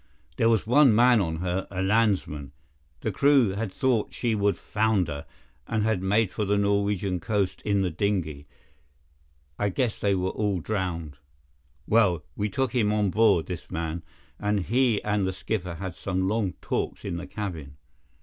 There was one man on her—a landsman. The crew had thought she would founder and had made for the Norwegian coast in the dinghy. I guess they were all drowned. Well, we took him on board, this man, and he and the skipper had some long talks in the cabin.